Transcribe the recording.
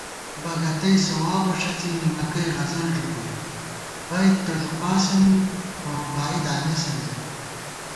بگَتَئ ثوابہ ݭڅی نِمَکَئ غزَل ݫُپُوئی * بَئیت تہ ݫُوپاسہ می خو رُباعی دامېسہ نئ